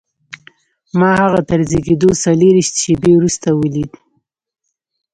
ما هغه تر زېږېدو څلرویشت شېبې وروسته ولید